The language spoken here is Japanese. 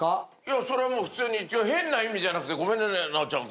それはもう普通に変な意味じゃなくてごめんね奈緒ちゃん。